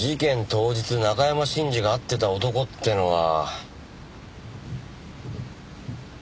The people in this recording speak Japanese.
当日中山信二が会ってた男ってのは。